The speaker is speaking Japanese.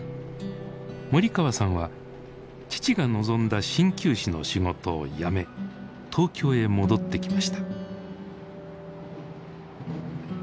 森川さんは父が望んだ鍼灸師の仕事を辞め東京へ戻ってきました。